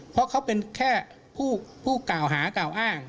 เพราะเขาเป็นแค่ผู้กล่าวหากล่าวอ้าง